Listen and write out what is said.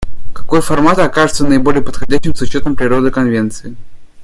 Какой формат окажется наиболее подходящим с учетом природы Конвенции?